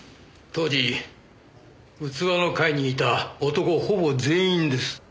当時器の会にいた男ほぼ全員です。